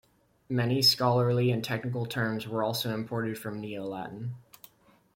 Many scholarly and technical terms were also imported from Neo-Latin.